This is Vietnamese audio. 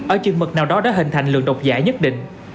ở chừng mực nào đó đã hình thành lượng độc giả nhất định